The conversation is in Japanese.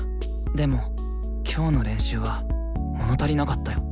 でも今日の練習は物足りなかったよ。